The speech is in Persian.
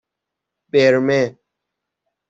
برمه